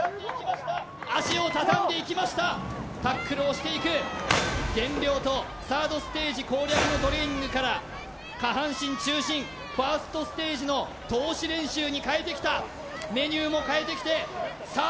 足をたたんでいきました減量とサードステージ攻略のトレーニングから下半身中心ファーストステージの通し練習に変えてきたメニューも変えてきてさあ